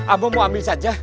abang mau ambil saja